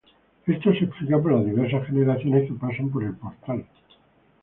Esto se explica por las diversas generaciones que pasan por el portal.